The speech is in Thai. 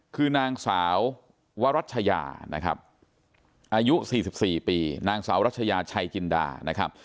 คือนางสาววรัชยานะครับอายุ๔๔ปีนางสาวรัชยาชัยจินดานะครับ